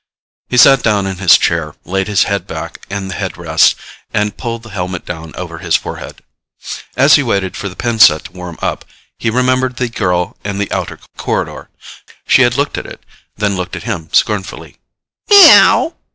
He sat down in his chair, laid his head back in the headrest and pulled the helmet down over his forehead. As he waited for the pin set to warm up, he remembered the girl in the outer corridor. She had looked at it, then looked at him scornfully. "Meow."